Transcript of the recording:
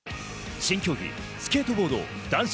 新競技スケートボード男子